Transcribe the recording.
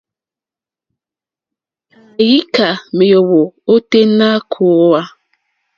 Àyíkâ méěyó ôténá kòòhwà.